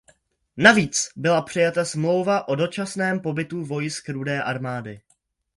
Navíc byla přijata Smlouva o dočasném pobytu vojsk Rudé armády.